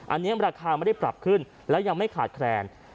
อันนี้ราคาไม่ได้ปรับขึ้นแล้วยังไม่ขาดแคลน